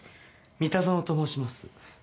三田園と申します。